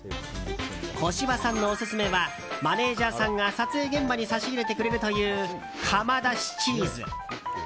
小芝さんのオススメはマネジャーさんが撮影現場に差し入れてくれるという窯だしチーズ。